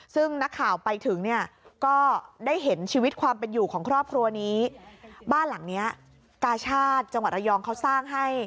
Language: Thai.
ซึ่งนักข่าวไปถึงเนี่ยก็ได้เห็นชีวิตความเป็นอยู่ของครอบครัวนี้บ้านหลังเนี้ยกาชาติจังหวัดระยองเขาสร้างให้